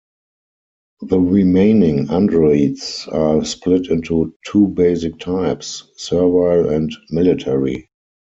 The remaining androids are split into two basic types: servile and military.